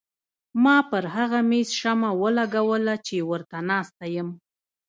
ما پر هغه مېز شمه ولګوله چې ورته ناسته یم.